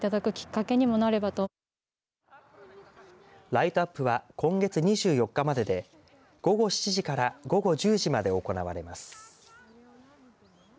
ライトアップは今月２４日までで午後７時から午後１０時まで行われます。